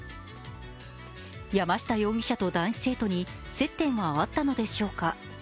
山下容疑者と男子生徒に接点はあったのでしょうか。